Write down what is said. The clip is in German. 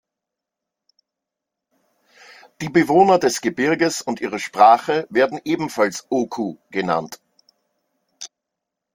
Die Bewohner des Gebirges und ihre Sprache werden ebenfalls Oku genannt.